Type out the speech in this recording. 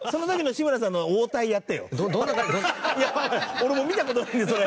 俺も見た事ないんでそれ。